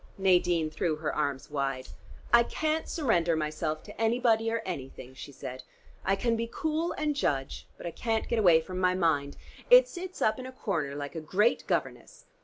Nadine threw her arms wide. "I can't surrender myself to anybody or anything," she said. "I can be cool and judge, but I can't get away from my mind. It sits up in a corner like a great governess.